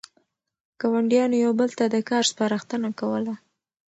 ګاونډیانو یو بل ته د کار سپارښتنه کوله.